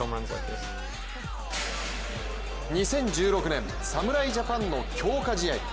２０１６年侍ジャパンの強化試合。